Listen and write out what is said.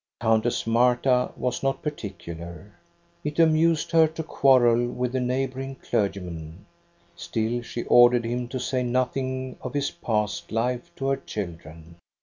Countess Marta was not particular. It amused her to quarrel with the neighboring clergy men. Still, she ordered him to say nothing of his past life to her children.